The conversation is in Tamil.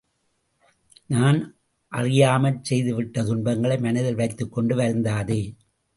நான் அறியாமற் செய்துவிட்ட துன்பங்களை மனத்தில் வைத்துக்கொண்டு வருந்தாதே.